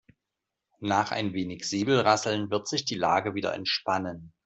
Nach ein wenig Säbelrasseln wird sich die Lage wieder entspannen.